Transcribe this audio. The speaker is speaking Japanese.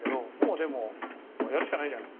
でもやるしかないじゃん。